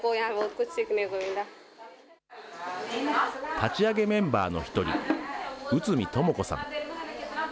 立ち上げメンバーの一人、内海知子さん。